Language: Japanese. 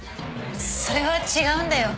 それは違うんだよ。